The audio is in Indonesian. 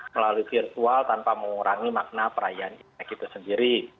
melalui virtual tanpa mengurangi makna perayaan imlek itu sendiri